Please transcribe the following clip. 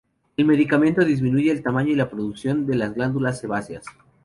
El medicamento disminuye el tamaño y la producción de las glándulas sebáceas.